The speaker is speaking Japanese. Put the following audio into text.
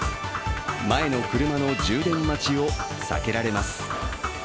前の車の充電待ちを避けられます。